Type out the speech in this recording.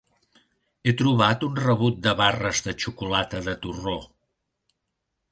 He trobat un rebut de barres de xocolata de torró.